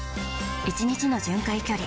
１日の巡回距離